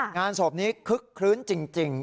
งานศพนี้คึกคลื้นจริง